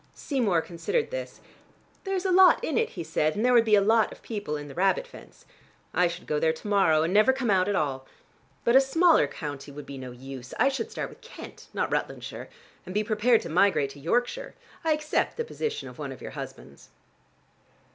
Seymour considered this. "There's a lot in it," he said, "and there would be a lot of people in the rabbit fence. I should go there to morrow and never come out at all. But a smaller county would be no use. I should start with Kent, not Rutlandshire, and be prepared to migrate to Yorkshire. I accept the position of one of your husbands."